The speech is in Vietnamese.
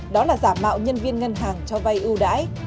đó là giả mạo nhân viên ngân hàng cho vay ưu đãi